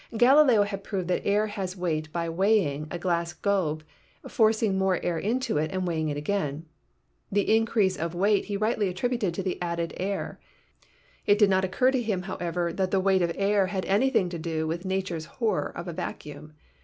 Galileo had proved that air has weight by weighing, a glass globe, forcing more air into it and weighing it again. The increase of weight he rightly attributed to the added air. It did not occur to him, however, that the weight of air had anything to do with nature's horror of a vacuum.